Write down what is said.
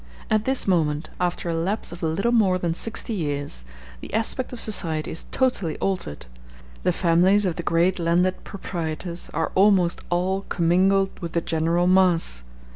At this moment, after a lapse of a little more than sixty years, the aspect of society is totally altered; the families of the great landed proprietors are almost all commingled with the general mass.